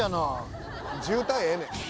渋滞ええねん。